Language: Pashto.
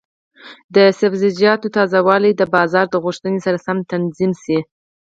د سبزیجاتو تازه والي د بازار د غوښتنې سره سم تنظیم شي.